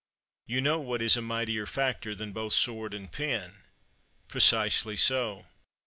You know what is a mightier factor than both sword and pen? Precisely so.